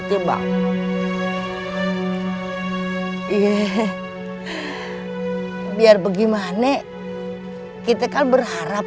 pelajaran fikih ada di dalam kifir tren